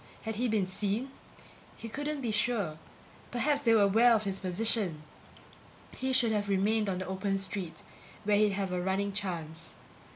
Had he been seen? He couldn't be sure. Perhaps they were aware of his position! He should have remained on the open street where he'd have a running chance.